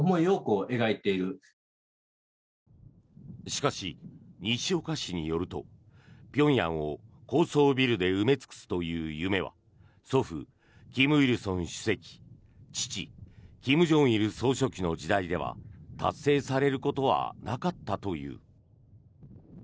しかし、西岡氏によると平壌を高層ビルで埋め尽くすという夢は祖父・金日成主席父・金正日総書記の時代では達成されることはなかったという。